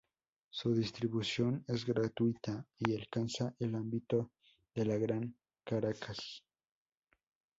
Su distribución es gratuita y alcanza el ámbito de la Gran Caracas.